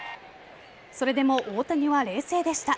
それでも大谷は冷静でした。